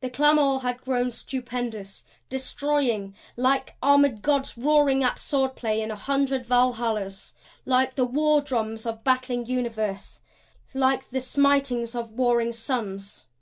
The clamor had grown stupendous, destroying like armored Gods roaring at sword play in a hundred Valhallas; like the war drums of battling universe; like the smitings of warring suns.